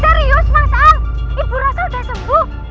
serius mas al ibu rasa udah sembuh